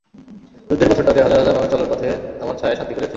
যুদ্ধের বছরটাতে হাজার হাজার মানুষ চলার পথে আমার ছায়ায় শান্তি খুঁজেছে।